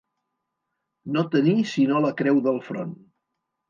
No tenir sinó la creu del front.